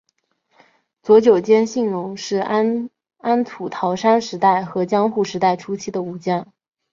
佐久间信荣是安土桃山时代和江户时代初期的武将。